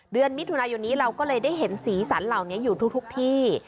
เดือนมิถุนายนนี้เราก็เลยได้เห็นสีสันเหล่านี้อยู่ทุกที่